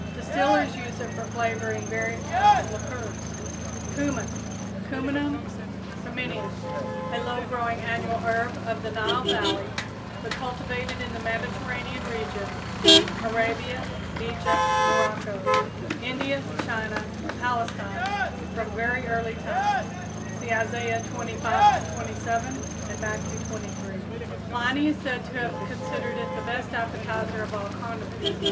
Distillers use it for flavoring various kinds of liquors. =Cumin= (Cuminum Cyminum, Linn.), a low growing annual herb of the Nile valley, but cultivated in the Mediterranean region, Arabia, Egypt, Morocco, India, China, and Palestine from very early times, (See Isaiah xviii, 25 27 and Matthew xxiii, 23.) Pliny is said to have considered it the best appetizer of all condiments.